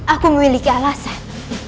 aku memiliki alasan